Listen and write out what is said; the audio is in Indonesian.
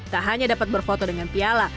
tak hanya dapat berfoto dengan piala